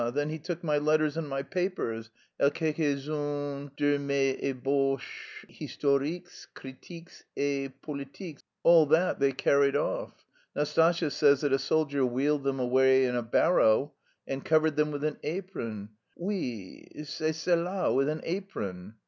_ Then he took my letters and my papers et quelques unes de mes ébauches historiques, critiques et politiques. All that they carried off. Nastasya says that a soldier wheeled them away in a barrow and covered them with an apron; oui, c'est cela, with an apron."